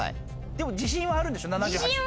でも自信はあるんでしょう？